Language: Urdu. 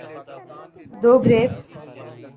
دوگریب